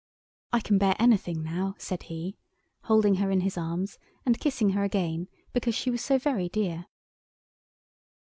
"I can bear anything now," said he, holding her in his arms, and kissing her again, because she was so very dear.